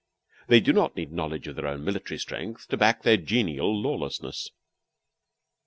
They do not need knowledge of their own military strength to back their genial lawlessness.